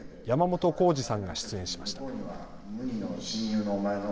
山本耕史さんが出演しました。